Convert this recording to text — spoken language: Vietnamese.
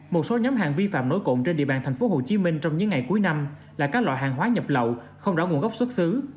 một số nhóm hàng vi phạm nối cộng trên địa bàn thành phố hồ chí minh trong những ngày cuối năm là các loại hàng hóa nhập lậu không đảo nguồn gốc xuất xứ